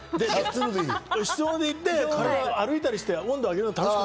室温で行って、歩いたりして温度を上げる。